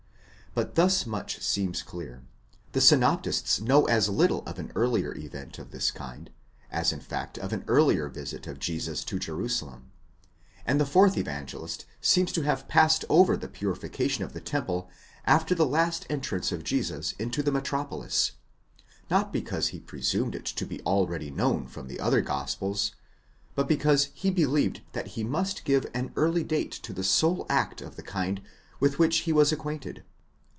But thus much seems clear; the synoptists know as little of an earlier event of this kind, as in fact of an earlier visit of Jesus to Jerusalem: and the fourth Evangelist seems to have passed over the purification of the temple after the last entrance of Jesus into the metropolis, not because he presumed it to be already known from the other gospels, but because he believed that he must give an early date to the sole act of the kind with which he was acquainted.